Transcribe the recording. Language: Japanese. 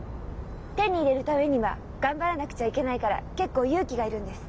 手に入れるためには頑張らなくちゃいけないから結構勇気がいるんです。